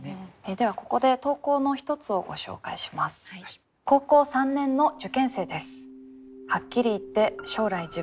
ではここで投稿の一つをご紹介します。